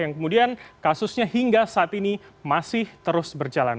yang kemudian kasusnya hingga saat ini masih terus berjalan